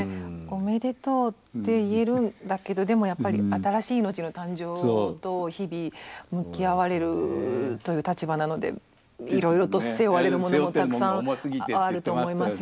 おめでとうって言えるんだけどでもやっぱり新しい命の誕生と日々向き合われるという立場なのでいろいろと背負われるものもたくさんあると思います。